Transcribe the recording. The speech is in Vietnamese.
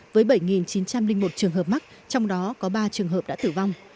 với bảy chín trăm linh một trường hợp mắc trong đó có ba trường hợp đã tử vong